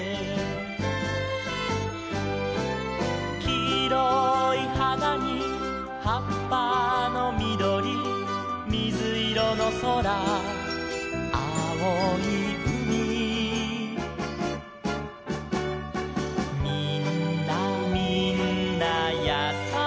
「きいろいはなにはっぱのみどり」「みずいろのそらあおいうみ」「みんなみんなやさしかった」